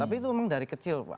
tapi itu memang dari kecil pak